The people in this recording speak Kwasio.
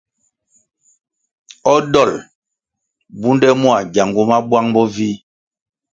O dolʼ bunde mua gyangu ma buang bo vih.